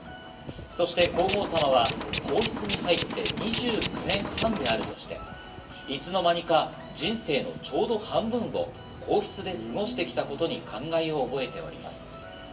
そして皇后さまは皇室に入って２９年半であるとして、いつの間にか人生のちょうど半分を皇室で過ごしてきたことに感慨を覚えております。